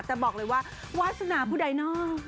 จะบอกเลยว่าวาสนาผู้ใดนอก